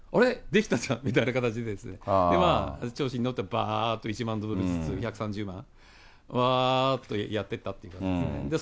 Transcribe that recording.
できたじゃんみたいな形で、調子に乗って、ばーっと１万ドルずつ１３０万、わーっとやってたという感じで。